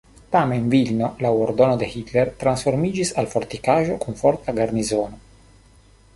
Tamen Vilno laŭ ordono de Hitler transformiĝis al fortikaĵo kun forta garnizono.